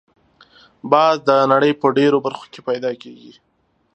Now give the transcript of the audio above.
باز د نړۍ په ډېرو برخو کې پیدا کېږي